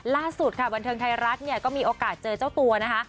ล่าสุดค่ะบันเทิงไทยรัฐเนี่ยก็มีโอกาสเจอเจ้าตัวนะคะ